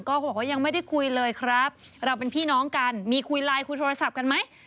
ก็เขาบอกว่ายังไม่ได้คุยเลยครับเราเป็นพี่น้องกันมีคุยไลน์คุยโทรศัพท์กันไหม